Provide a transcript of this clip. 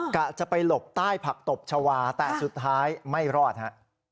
กะจะไปหลบใต้ผักตบชาวาแต่สุดท้ายไม่รอดฮะ